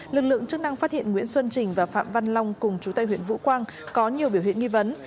lực lượng chức năng phát hiện nguyễn xuân trình và phạm văn long cùng chú tây huyện vũ quang có nhiều biểu hiện nghi vấn